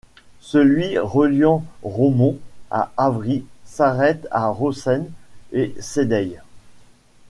Celui reliant Romont à Avry s'arrête à Rossens et Sédeilles.